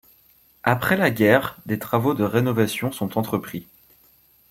Après la guerre, des travaux de rénovation sont entrepris.